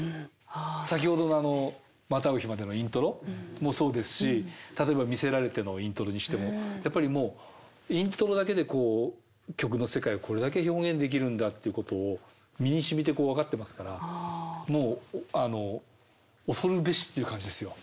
先ほどのあの「またう日まで」のイントロもそうですし例えば「魅せられて」のイントロにしてもやっぱりもうイントロだけで曲の世界をこれだけ表現できるんだってことを身にしみてこう分かってますからもうあの恐るべしっていう感じですよ